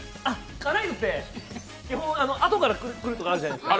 辛いのって基本、あとから来るとかあるじゃないですか。